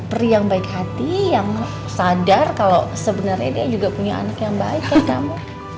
peri yang baik hati yang sadar kalau sebenarnya dia juga punya anak yang baik buat kamu